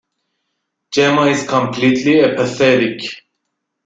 Jemma is completely apathetic.